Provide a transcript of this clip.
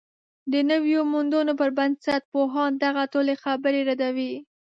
د نویو موندنو پر بنسټ، پوهان دغه ټولې خبرې ردوي